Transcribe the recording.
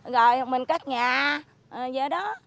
rồi mình cắt nhà vậy đó